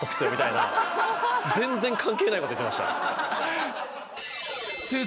全然関係ないこと言ってました。